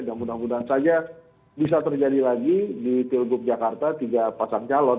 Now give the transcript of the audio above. dan mudah mudahan saja bisa terjadi lagi di pilgub jakarta tiga pasang calon